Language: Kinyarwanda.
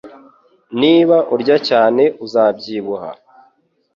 Niba urya cyane, uzabyibuha